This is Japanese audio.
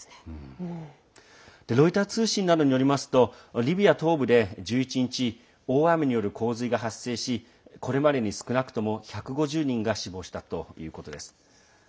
ロイター通信などによりますとリビア東部で１１日大雨による洪水が発生しこれまでに少なくとも１５０人が死亡したということです。